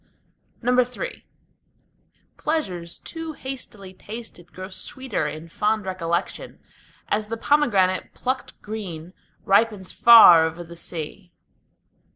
III Pleasures too hastily tasted grow sweeter in fond recollection, As the pomegranate plucked green ripens far over the sea.